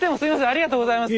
ありがとうございます！